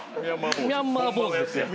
「ミャンマー坊主」ですやん。